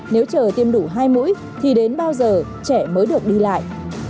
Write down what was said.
nếu chờ tiêm đủ hai mũi thì đến bao giờ trẻ mới được đi lại